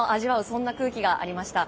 そんな空気がありました。